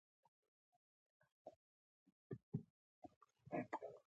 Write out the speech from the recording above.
صلاحیت په دوه ډوله دی قانوني او اداري.